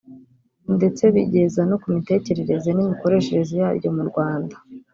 ndetse bingeza no ku mitekerereze n’imikoreshereze yaryo mu Kinyarwanda